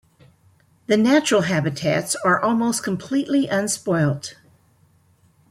The natural habitats are almost completely unspoilt.